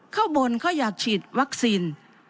ข้างบนเขาอยากฉีดวัคซีน